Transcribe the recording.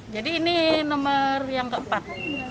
jadi ini nomor yang keempat